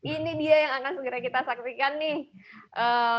ini dia yang akan segera kita saksikan nih